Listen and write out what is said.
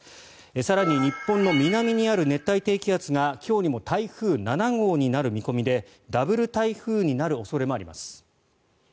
更に、日本の南にある熱帯低気圧が今日にも台風７号になる見込みでダブル台風になる恐れもあります。